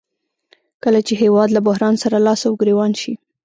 کله چې هېواد له بحران سره لاس او ګریوان شي